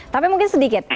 tapi mungkin sedikit